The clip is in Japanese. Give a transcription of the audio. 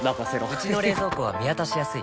うちの冷蔵庫は見渡しやすい